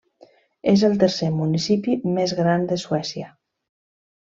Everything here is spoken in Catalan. És el tercer municipi més gran de Suècia.